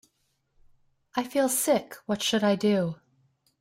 I feel sick, what should I do?